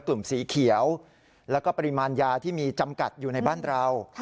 สีเขียวแล้วก็ปริมาณยาที่มีจำกัดอยู่ในบ้านเรา